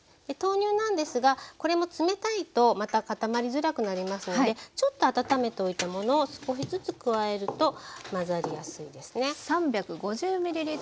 豆乳なんですがこれも冷たいとまた固まりづらくなりますのでちょっと温めておいたものを少しずつ加えると混ざりやすいですね。